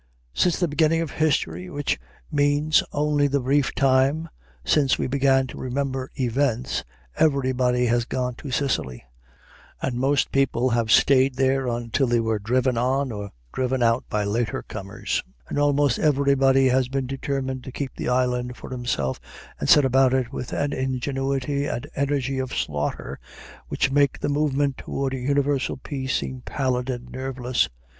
Since the beginning of history, which means only the brief time since we began to remember events, everybody has gone to Sicily, and most people have stayed there until they were driven on, or driven out, by later comers; and almost everybody has been determined to keep the island for himself, and set about it with an ingenuity and energy of slaughter which make the movement toward universal peace seem pallid and nerveless.